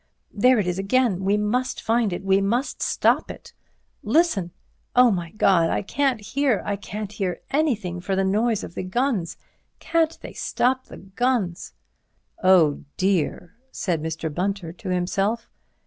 There it is again—we must find it—we must stop it ... Listen! Oh, my God! I can't hear—I can't hear anything for the noise of the guns. Can't they stop the guns?" "Oh, dear!" said Mr. Bunter to himself.